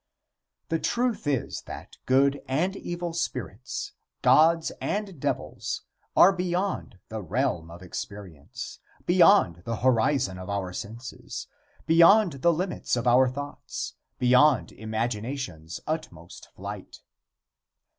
The truth is that good and evil spirits gods and devils are beyond the realm of experience; beyond the horizon of our senses; beyond the limits of our thoughts; beyond imagination's utmost flight.